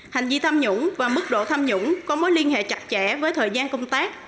hành vi tham nhũng và mức độ tham nhũng có mối liên hệ chặt chẽ với thời gian công tác